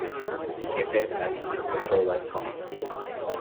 He campaigns actively for the pro-life cause.